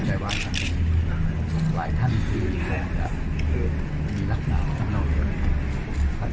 เพราะว่าก็จะว่าหลายท่านที่คงจะมีลักษณะต่างเกี่ยวกับคุณ